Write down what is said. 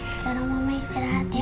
sekarang mama istirahat ya